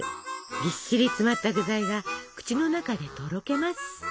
ぎっしり詰まった具材が口の中でとろけます。